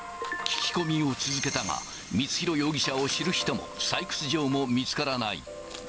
聞き込みを続けたが、光弘容疑者を知る人も、採掘場も見つからない。